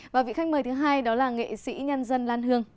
và vị khách mời thứ hai đó là nghệ sĩ nhân dân lan hương